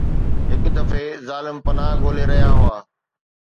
هڪ دفعي ظالم پناهه ڳولي رهيا هئا.